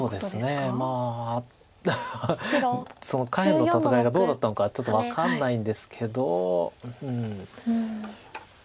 下辺の戦いがどうだったのかちょっと分かんないんですけど。